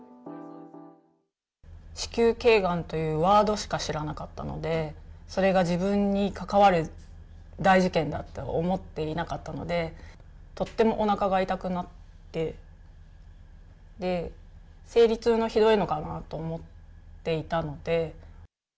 子宮けいがんというワードしか知らなかったので、それが自分に関わる大事件だって思っていなかったので、とってもおなかが痛くなって、で、生理痛のひどいのかな？と思っていたので。